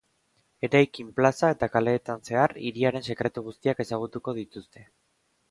Eraikin, plaza eta kaleetan zehar, hiriaren sekretu guztiak ezagutuko dituzte.